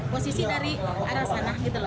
posisi dari arah sana